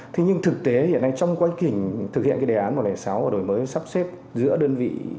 thế nhưng thực tế hiện nay trong quá trình thực hiện cái đề án một trăm linh sáu và đổi mới sắp xếp giữa đơn vị